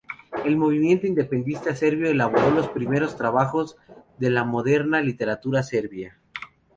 El movimiento independentista serbio elaboró los primeros trabajos de la moderna literatura serbia.